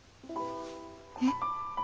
えっ？